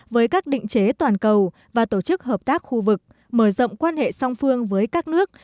với các định chế toàn cầu và tổ chức hợp tác khu vực mở rộng quan hệ song phương với các nước